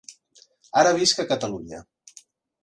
Ara visc a Catalunya.